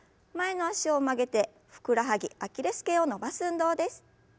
前の脚を曲げてふくらはぎアキレス腱を伸ばす運動です。